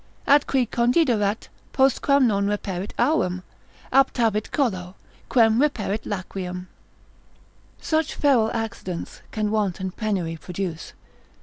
At qui condiderat, postquam non reperit aurum, Aptavit collo, quem reperit laqueum. Such feral accidents can want and penury produce.